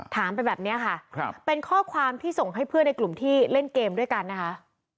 ถามไปแบบนี้ค่ะเป็นข้อความที่ส่งให้เพื่อนในกลุ่มที่เล่นเกมด้วยกันนะคะ